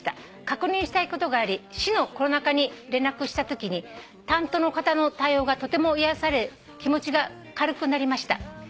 「確認したいことがあり市のコロナ課に連絡したときに担当の方の対応がとても癒やされ気持ちが軽くなりました」